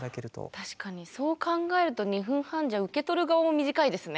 確かにそう考えると２分半じゃ受け取る側も短いですね。